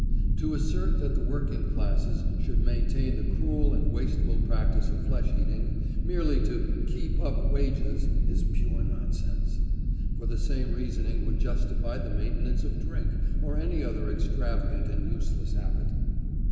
To assert that the working classes should maintain the cruel and wasteful practice of flesh eating merely to "keep up wages" is pure nonsense, for the same reasoning would justify the maintenance of drink, or any other extravagant and useless habit.